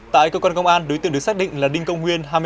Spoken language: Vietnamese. tại cơ quan công an đối tượng được xác định là đinh công nguyên